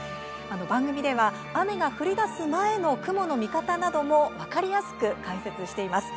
番組では雨が降りだす前の雲の見方なども分かりやすく解説しています。